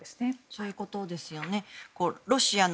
そういうことですね。